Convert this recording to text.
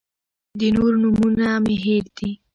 د نورو نومونه مې هېر دي.